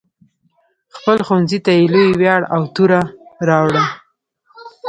خپل ښوونځي ته یې لوی ویاړ او توره راوړه.